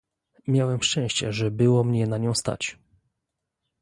Miałem szczęście, że było mnie na nią stać